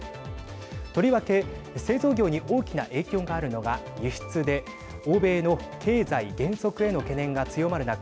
とりわけ製造業に大きな影響があるのが輸出で欧米の経済減速への懸念が強まる中